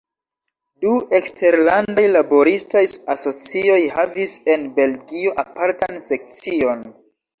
Du eksterlandaj laboristaj asocioj havis en Belgio apartan sekcion.